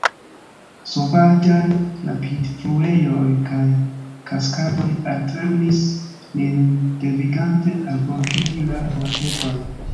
Sovaĝaj rapidfluejoj kaj kaskadoj alternis, nin devigante albordigi la boateton.